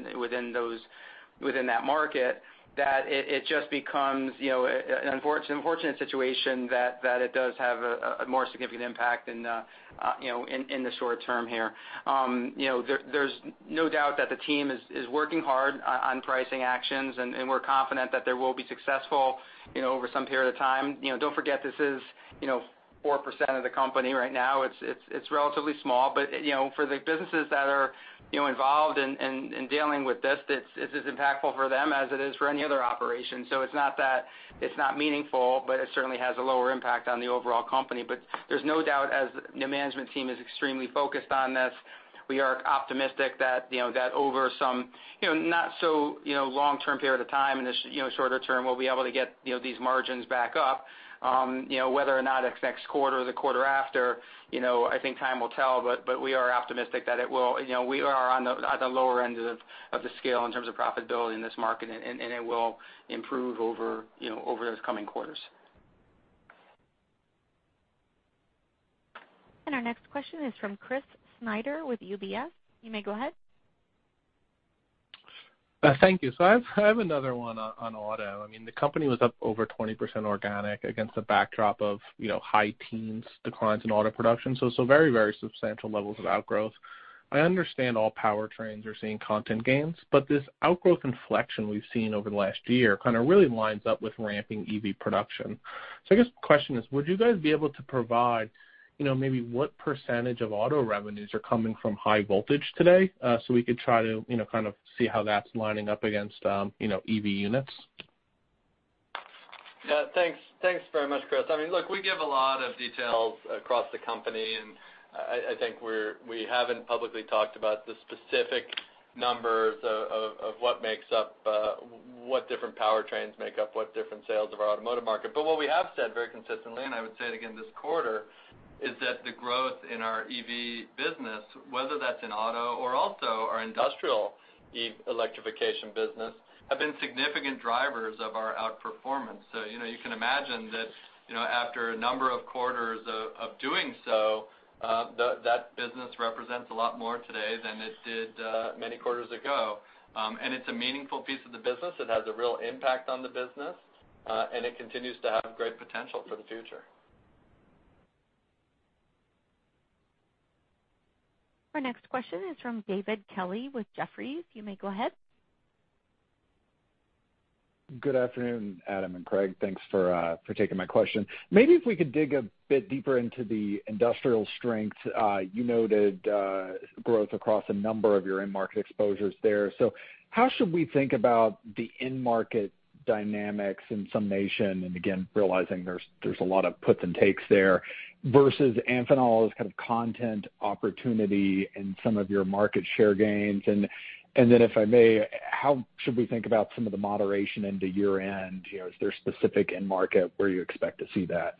that market, it just becomes, you know, an unfortunate situation that it does have a more significant impact in the short term here. You know, there's no doubt that the team is working hard on pricing actions, and we're confident that they will be successful, you know, over some period of time. You know, don't forget, this is 4% of the company right now. It's relatively small. You know, for the businesses that are, you know, involved in dealing with this, it's as impactful for them as it is for any other operation. It's not that it's not meaningful, but it certainly has a lower impact on the overall company. There's no doubt as the management team is extremely focused on this, we are optimistic that, you know, that over some, you know, not so, you know, long-term period of time, in the shorter term, we'll be able to get, you know, these margins back up. You know, whether or not it's next quarter or the quarter after, you know, I think time will tell. We are optimistic that it will. You know, we are at the lower end of the scale in terms of profitability in this market, and it will improve over, you know, those coming quarters. Our next question is from Chris Snyder with UBS. You may go ahead. Thank you. I have another one on auto. I mean, the company was up over 20% organic against a backdrop of, you know, high-teens% declines in auto production, so very substantial levels of outgrowth. I understand all powertrains are seeing content gains, but this outgrowth inflection we've seen over the last year kind of really lines up with ramping EV production. I guess the question is, would you guys be able to provide, you know, maybe what percentage of auto revenues are coming from high voltage today, so we could try to, you know, kind of see how that's lining up against, you know, EV units? Yeah. Thanks. Thanks very much, Chris. I mean, look, we give a lot of details across the company, and I think we haven't publicly talked about the specific numbers of what makes up what different powertrains make up what different sales of our automotive market. What we have said very consistently, and I would say it again this quarter, is that the growth in our EV business, whether that's in auto or also our industrial EV electrification business, have been significant drivers of our outperformance. You know, you can imagine that, you know, after a number of quarters of doing so, that business represents a lot more today than it did many quarters ago. It's a meaningful piece of the business. It has a real impact on the business, and it continues to have great potential for the future. Our next question is from David Kelley with Jefferies. You may go ahead. Good afternoon, Adam and Craig. Thanks for taking my question. Maybe if we could dig a bit deeper into the industrial strength. You noted growth across a number of your end market exposures there. How should we think about the end market dynamics in summation, and again, realizing there's a lot of puts and takes there, versus Amphenol's kind of content opportunity in some of your market share gains? Then if I may, how should we think about some of the moderation into year-end? You know, is there a specific end market where you expect to see that?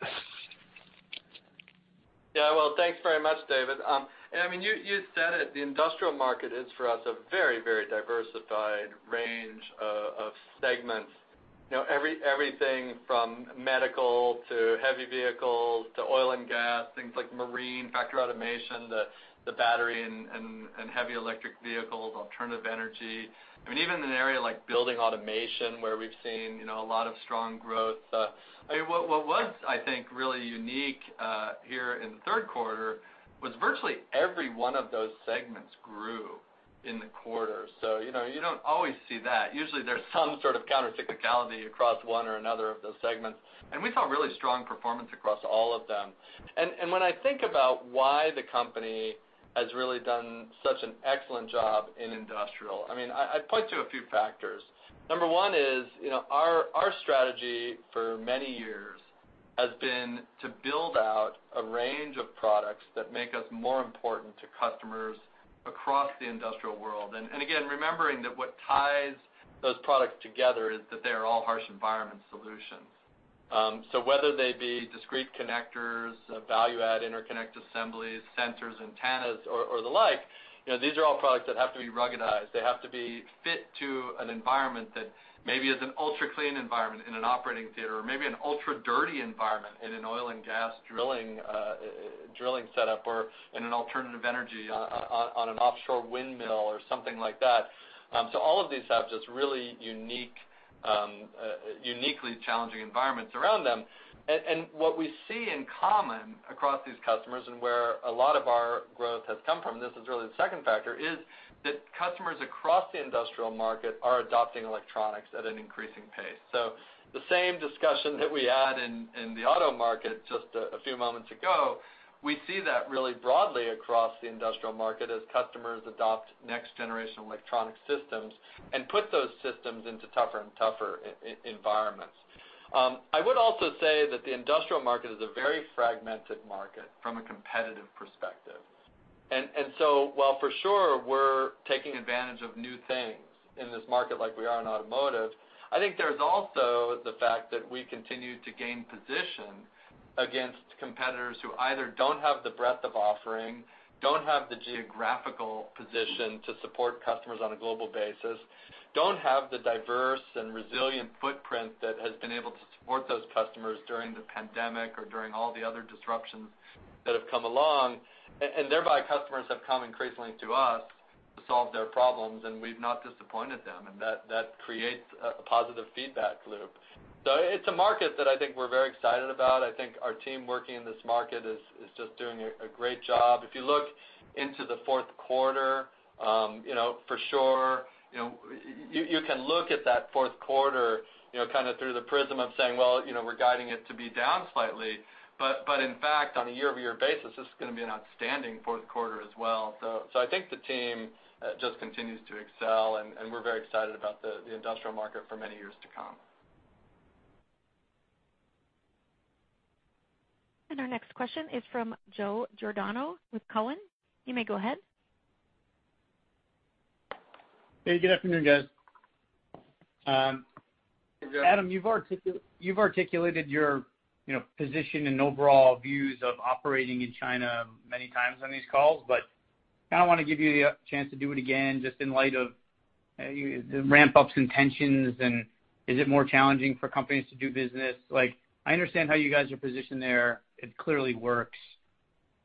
Yeah. Well, thanks very much, David. I mean, you said it, the industrial market is, for us, a very, very diversified range of segments. You know, everything from medical, to heavy vehicles, to oil and gas, things like marine, factory automation, the battery and heavy electric vehicles, alternative energy. I mean, even an area like building automation, where we've seen, you know, a lot of strong growth. I mean, what was, I think, really unique here in the third quarter was virtually every one of those segments grew in the quarter. You know, you don't always see that. Usually, there's some sort of counter cyclicality across one or another of those segments, and we saw really strong performance across all of them. When I think about why the company has really done such an excellent job in industrial, I mean, I'd point to a few factors. Number one is, you know, our strategy for many years has been to build out a range of products that make us more important to customers across the industrial world. Again, remembering that what ties those products together is that they're all harsh environment solutions. So whether they be discrete connectors, value add interconnect assemblies, sensors, antennas or the like, you know, these are all products that have to be ruggedized. They have to be fit to an environment that maybe is an ultra-clean environment in an operating theater or maybe an ultra-dirty environment in an oil and gas drilling setup or in an alternative energy on an offshore windmill or something like that. All of these have just really unique, uniquely challenging environments around them. What we see in common across these customers and where a lot of our growth has come from, and this is really the second factor, is that customers across the industrial market are adopting electronics at an increasing pace. The same discussion that we had in the auto market just a few moments ago, we see that really broadly across the industrial market as customers adopt next generation electronic systems and put those systems into tougher and tougher environments. I would also say that the industrial market is a very fragmented market from a competitive perspective. While for sure we're taking advantage of new things in this market like we are in automotive, I think there's also the fact that we continue to gain position against competitors who either don't have the breadth of offering, don't have the geographical position to support customers on a global basis, don't have the diverse and resilient footprint that has been able to support those customers during the pandemic or during all the other disruptions that have come along. Thereby, customers have come increasingly to us to solve their problems, and we've not disappointed them. That creates a positive feedback loop. It's a market that I think we're very excited about. I think our team working in this market is just doing a great job. If you look into the fourth quarter, you know, for sure, you know, you can look at that fourth quarter, you know, kind of through the prism of saying, "Well, you know, we're guiding it to be down slightly." But in fact, on a year-over-year basis, this is gonna be an outstanding fourth quarter as well. So I think the team just continues to excel, and we're very excited about the industrial market for many years to come. Our next question is from Joe Giordano with Cowen. You may go ahead. Hey, good afternoon, guys. Hey, Joe. Adam, you've articulated your, you know, position and overall views of operating in China many times on these calls, but kind of wanna give you the chance to do it again just in light of, you know, the ramp-ups in tensions, and is it more challenging for companies to do business? Like, I understand how you guys are positioned there. It clearly works.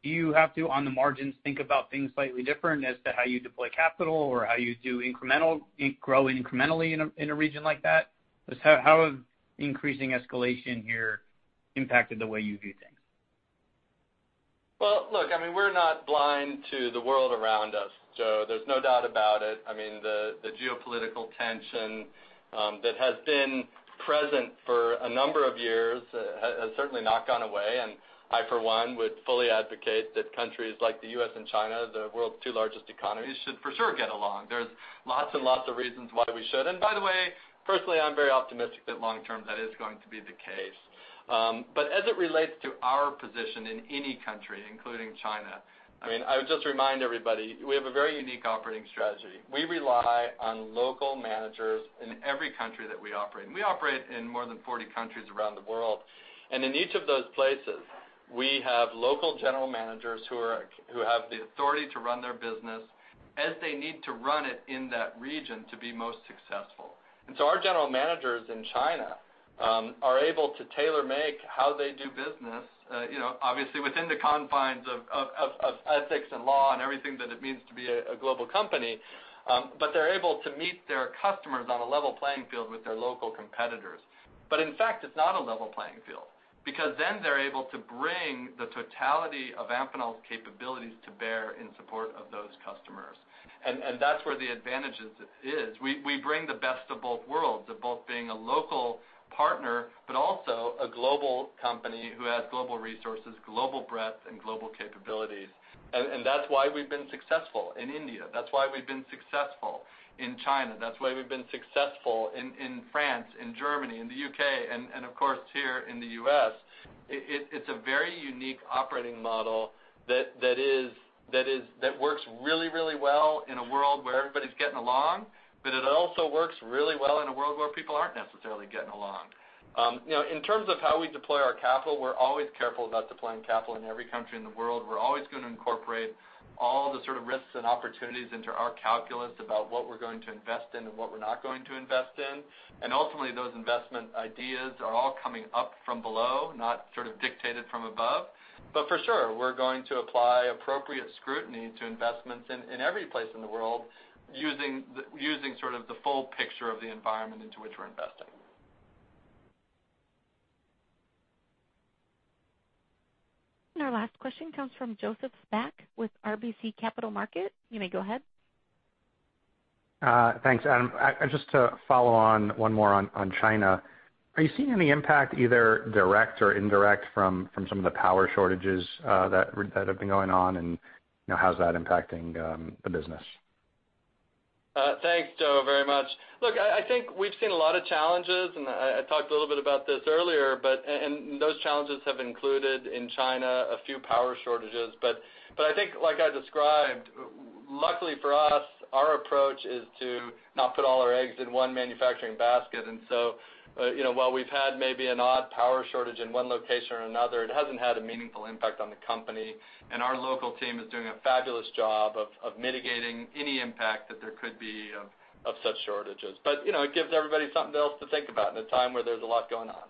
Do you have to, on the margins, think about things slightly different as to how you deploy capital or how you do incremental grow incrementally in a region like that? Just how have increasing escalation here impacted the way you view things? Well, look, I mean, we're not blind to the world around us, Joe. There's no doubt about it. I mean, the geopolitical tension that has been present for a number of years has certainly not gone away, and I, for one, would fully advocate that countries like the U.S. and China, the world's two largest economies, should for sure get along. There's lots and lots of reasons why we should. By the way, personally, I'm very optimistic that long term that is going to be the case. As it relates to our position in any country, including China, I mean, I would just remind everybody, we have a very unique operating strategy. We rely on local managers in every country that we operate in. We operate in more than 40 countries around the world. In each of those places, we have local general managers who have the authority to run their business as they need to run it in that region to be most successful. Our general managers in China are able to tailor-make how they do business, you know, obviously within the confines of ethics and law and everything that it means to be a global company. They're able to meet their customers on a level playing field with their local competitors. In fact, it's not a level playing field because then they're able to bring the totality of Amphenol's capabilities to bear in support of those customers. That's where the advantages is. We bring the best of both worlds, of both being a local partner but also a global company who has global resources, global breadth and global capabilities. That's why we've been successful in India, that's why we've been successful in China, that's why we've been successful in France, in Germany, in the U.K., and of course, here in the U.S. It's a very unique operating model that works really, really well in a world where everybody's getting along, but it also works really well in a world where people aren't necessarily getting along. You know, in terms of how we deploy our capital, we're always careful about deploying capital in every country in the world. We're always gonna incorporate all the sort of risks and opportunities into our calculus about what we're going to invest in and what we're not going to invest in. Ultimately, those investment ideas are all coming up from below, not sort of dictated from above. For sure, we're going to apply appropriate scrutiny to investments in every place in the world using sort of the full picture of the environment into which we're investing. Our last question comes from Joseph Spak with RBC Capital Markets. You may go ahead. Thanks, Adam. Just to follow on one more on China. Are you seeing any impact, either direct or indirect, from some of the power shortages that have been going on? You know, how's that impacting the business? Thanks, Joe, very much. Look, I think we've seen a lot of challenges, and I talked a little bit about this earlier. Those challenges have included, in China, a few power shortages. I think, like I described, luckily for us, our approach is to not put all our eggs in one manufacturing basket. You know, while we've had maybe an odd power shortage in one location or another, it hasn't had a meaningful impact on the company. Our local team is doing a fabulous job of mitigating any impact that there could be of such shortages. You know, it gives everybody something else to think about in a time where there's a lot going on.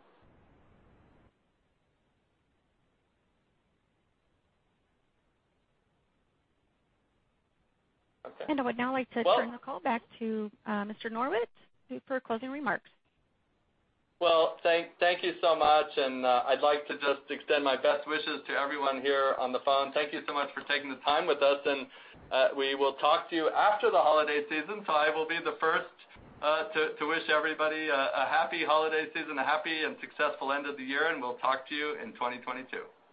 Okay. I would now like to. Well- Turn the call back to Mr. Norwitt for closing remarks. Well, thank you so much. I'd like to just extend my best wishes to everyone here on the phone. Thank you so much for taking the time with us, and we will talk to you after the holiday season. I will be the first to wish everybody a happy holiday season, a happy and successful end of the year, and we'll talk to you in 2022.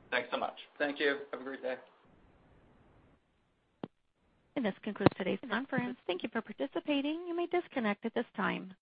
Thanks so much. Thank you. Have a great day. This concludes today's conference. Thank you for participating. You may disconnect at this time.